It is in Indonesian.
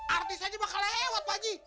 artis aja bakal lewat pak haji